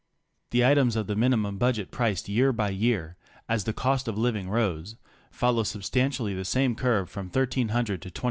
The items of the mini mum budget priced year by year as the cost of living rose, follow substantially the same curve from $1,300 to $2,550.